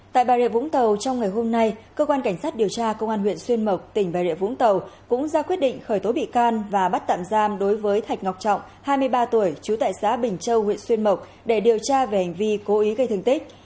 tại bà rịa vũng tàu trong ngày hôm nay cơ quan cảnh sát điều tra công an huyện xuyên mộc tỉnh bà rịa vũng tàu cũng ra quyết định khởi tố bị can và bắt tạm giam đối với thạch ngọc trọng hai mươi ba tuổi trú tại xã bình châu huyện xuyên mộc để điều tra về hành vi cố ý gây thương tích